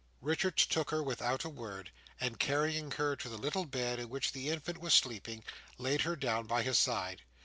Richards took her without a word, and carrying her to the little bed in which the infant was sleeping, laid her down by his side.